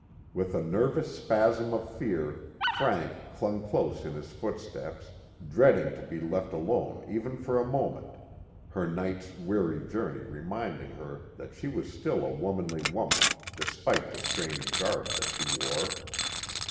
With a nervous spasm of fear, Frank clung close in his footsteps, dreading to be left alone even for a moment, her night's weary journey remind ing her that she was still a womanly woman despite the strange garb that she wore.